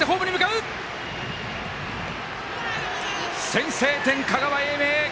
先制点、香川、英明！